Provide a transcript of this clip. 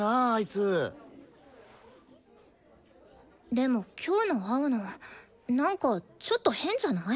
でも今日の青野なんかちょっと変じゃない？